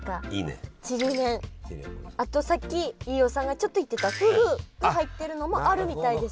あとさっき飯尾さんがちょっと言ってたふぐが入ってるのもあるみたいです。